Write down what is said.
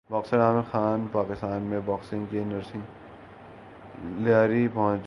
boxer Amir Khan Pakistan میں boxing کی nursery Lyari پہنچ گئے